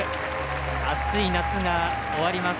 熱い夏が終わります。